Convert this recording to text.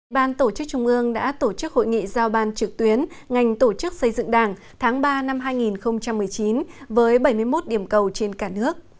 ban tổ chức trung ương đã tổ chức hội nghị giao ban trực tuyến ngành tổ chức xây dựng đảng tháng ba năm hai nghìn một mươi chín với bảy mươi một điểm cầu trên cả nước